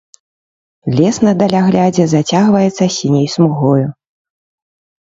Лес на даляглядзе зацягваецца сіняй смугою.